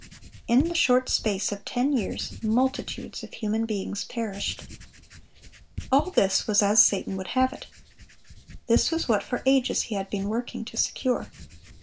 (417) In the short space of ten years, multitudes of human beings perished. All this was as Satan would have it. This was what for ages he had been working to secure.